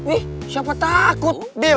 ih siapa takut deal